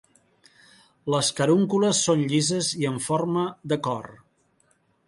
Les carúncules són llises i en forma de cor.